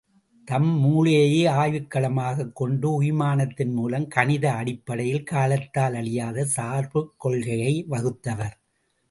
தம் மூளையையே ஆய்வுக்களமாகக் கொண்டு உய்மானத்தின் மூலம் கணித அடிப்படையில் காலத்தால் அழியாத சார்புக் கொள்கையை வகுத்தவர்.